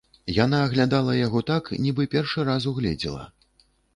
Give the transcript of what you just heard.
Яна аглядала яго так, нібы першы раз угледзела.